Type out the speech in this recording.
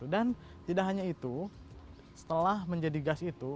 dan tidak hanya itu setelah menjadi gas itu